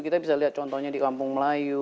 kita bisa lihat contohnya di kampung melayu